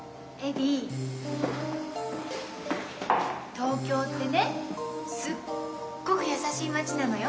東京ってねすっごく優しい町なのよ。